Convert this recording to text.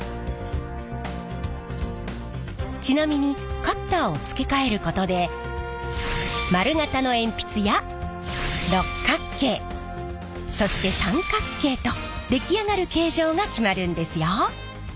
ちなみにカッターを付け替えることで丸形の鉛筆や六角形そして三角形と出来上がる形状が決まるんですよ。